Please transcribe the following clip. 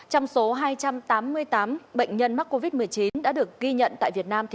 trong số hai trăm tám mươi tám bệnh nhân mắc covid một mươi chín đã được ghi nhận tại việt nam